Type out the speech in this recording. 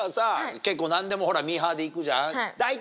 結構何でもミーハーで行くじゃん。